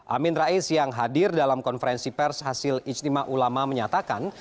amin rais yang hadir dalam konferensi pers hasil ijtima ulama menyatakan